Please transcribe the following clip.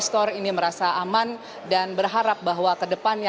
sudah vedere cerita mis larger perh saturn penunas adhasar dengan itu